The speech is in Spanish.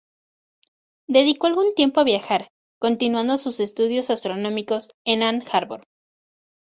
Dedicó algún tiempo a viajar, continuando sus estudios astronómicos en Ann Arbor.